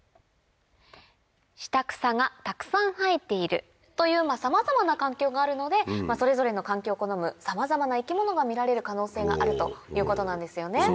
下草がたくさん生えているというさまざまな環境があるのでそれぞれの環境を好むさまざまな生き物が見られる可能性があるということなんですよね。